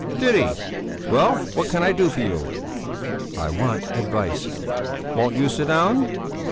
"Did he? Well, what can I do for you?" "I want advice." "Won't you sit down?"